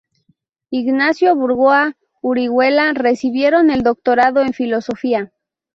Ignacio Burgoa Orihuela recibieron el doctorado en Filosofía.